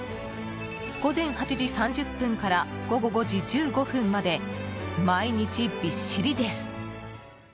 午前８時３０分から午後５時１５分まで毎日びっしりです。